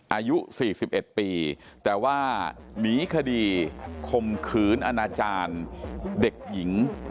อายุสี่สิบเอ็ดปีแต่ว่าหนีคดีขมคืนอาณาจารย์เด็กหญิง